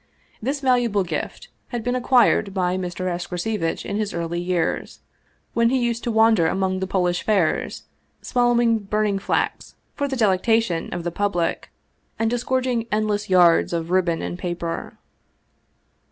This valuable gift had been acquired by Mr. Escrocevitch in his early years, when he used to wander among the Polish fairs, swallowing burning flax for the delectation of the public and disgorg ing endless yards of ribbon and paper.